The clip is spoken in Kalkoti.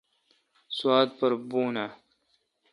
سوات پر بون آں؟